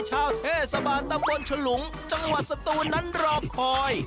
ชาวเทศบาลตำบลฉลุงจังหวัดสตูนนั้นรอคอย